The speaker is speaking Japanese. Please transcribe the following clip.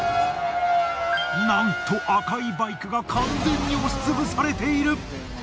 なんと赤いバイクが完全に押しつぶされている。